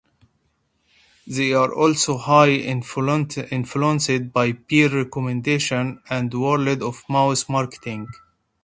They are also highly influenced by peer recommendations and word-of-mouth marketing.